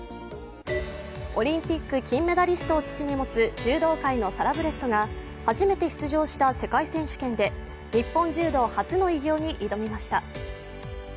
オリンピック金メダリストを父に持つ柔道界のサラブレッドが初めて出場した世界選手権で日本柔道初の偉業に挑みました。